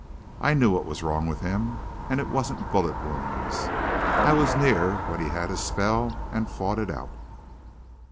I knew what was wrong with him, and it wasn't bullet wounds. I was near when he had his spell and fought it out.